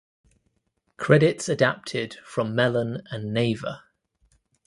Credits adapted from Melon and Naver.